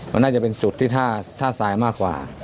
มันน่าจะเป็นจุดที่ท่าทรายมากกว่า